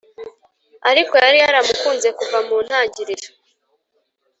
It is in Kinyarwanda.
ariko yari yaramukunze kuva mu ntangiriro.